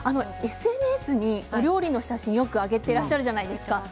ＳＮＳに、お料理の写真をよく上げていらっしゃいますね。